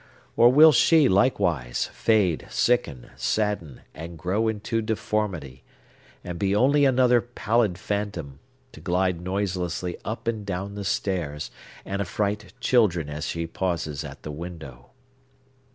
Or will she, likewise, fade, sicken, sadden, and grow into deformity, and be only another pallid phantom, to glide noiselessly up and down the stairs, and affright children as she pauses at the window?